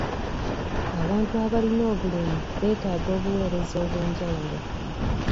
Abantu abalina obulemu beetaaga obuweereza obw'enjawulo.